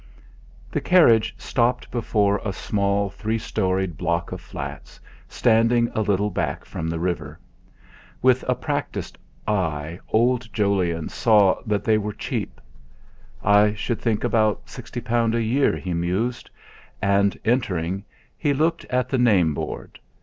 The carriage stopped before a small three storied block of flats, standing a little back from the river. With a practised eye old Jolyon saw that they were cheap. 'I should think about sixty pound a year,' he mused; and entering, he looked at the name board.